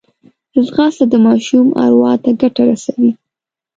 ځغاسته د ماشوم اروا ته ګټه رسوي